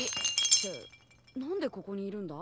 って何でここにいるんだ？